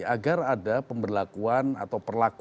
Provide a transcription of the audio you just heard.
agar ada pemberlakuan atau perlakuan